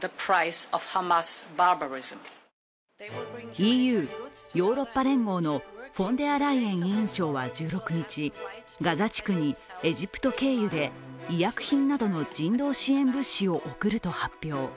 ＥＵ＝ヨーロッパ連合のフォンデアライエン委員長は１６日、ガザ地区にエジプト経由で医薬品などの人道支援物資を送ると発表。